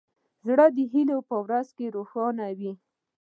زړه د هیلو په ورځې روښانه وي.